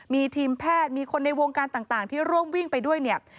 มีทีมแพทย์มีคนในวงการต่างที่ร่วมวิ่งไปด้วยเนี่ย